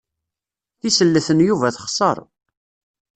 Tisellet n Yuba texser.